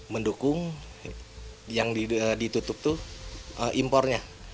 mendukung yang ditutup itu impornya